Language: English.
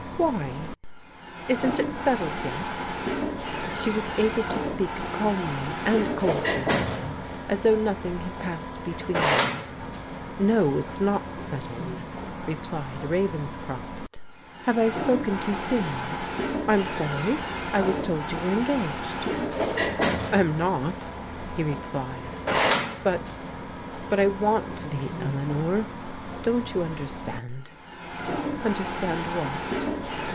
"Why, isn't it settled yet?" She was able to speak calmly and coldly now, as though nothing had passed between them. " No, it's not settled," replied Ravenscroft. " Have I spoken too soon? I'm sorry. I was told you were engaged." " I'm not," he replied. But — but I want to be, Elea nor. Don't you understand?'* " Understand what